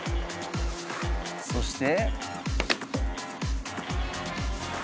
そして。